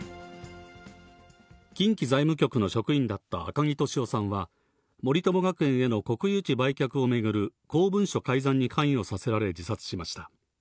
近畿財務局の職員だった赤木俊夫さんは、森友学園への国有地売却を巡る公文書改ざんに関与させられ自殺しました。